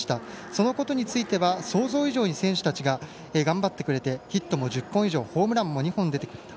そのことについては想像以上に選手たちが頑張ってくれてヒットも１０本以上ホームランも２本出てくれた。